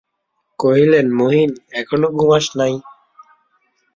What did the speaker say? কহিলেন, মহিন, এখনো ঘুমাস নাই?